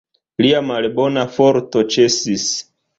Lia malbona farto ĉesis.